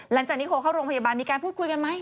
หลังจากที่โทรเข้าโรงพยาบาลมีการพูดคุยกันไหม